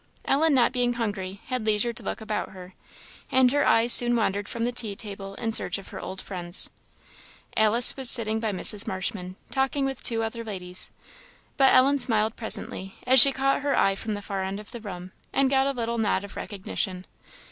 Ellen, not being hungry, had leisure to look about her, and her eyes soon wandered from the tea table in search of her old friends. Alice was sitting by Mrs. Marshman, talking with two other ladies; but Ellen smiled presently, as she caught her eye from the far end of the room, and got a little nod of recognition.